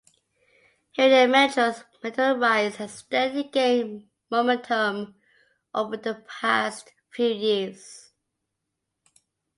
Harian Metro's meteoric rise has steadily gained momentum over the past few years.